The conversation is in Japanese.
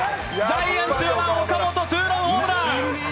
ジャイアンツ４番岡本、ツーランホームラン。